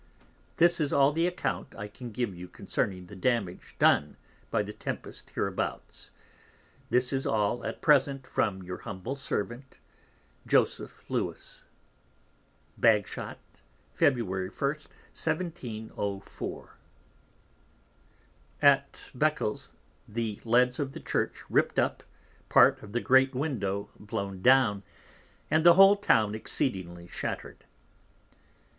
This is all the Account I can give you concerning the damage done by the Tempest hereabouts. This is all at present from, Your Humble Servant, Bagshot, Feb. 1. 1704. Jo. Lewis. At Becles _the Leads of the Church ript up, part of the Great Window blown down, and the whole Town exceedingly shatter'd.